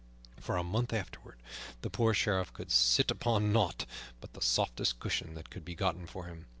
For a month afterward the poor Sheriff could sit upon nought but the softest cushions that could be gotten for him.